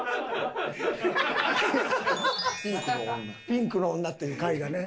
『ピンクの女』っていう絵画ね。